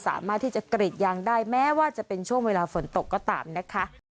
สามารถที่จะกรีดยางได้แม้ว่าจะเป็นช่วงเวลาฝนตกก็ตามนะคะ